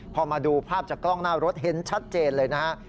พอมาดูภาพจากกล้องหน้ารถเห็นชัดเจนเลยนะฮะ